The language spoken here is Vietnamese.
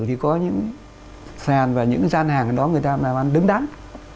thì có những sàn và những sàn hàng đó người ta làm đứng đáng